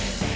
eh mbak be